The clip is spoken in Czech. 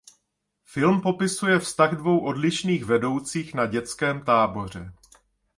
Film popisuje vztah dvou odlišných vedoucích na dětském táboře.